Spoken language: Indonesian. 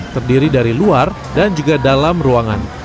terdiri dari luar dan juga dalam ruangan